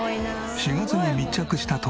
４月に密着した時は。